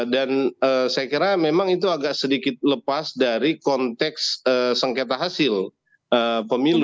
dan saya kira memang itu agak sedikit lepas dari konteks sengketa hasil pemilu